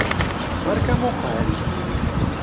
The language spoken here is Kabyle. Beṛka amuqqel!